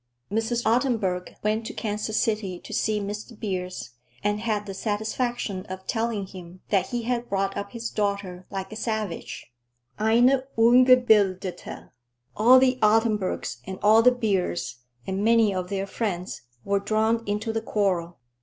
Mrs. Otto Ottenburg went to Kansas City to see Mr. Beers, and had the satisfaction of telling him that he had brought up his daughter like a savage, eine Ungebildete. All the Ottenburgs and all the Beers, and many of their friends, were drawn into the quarrel.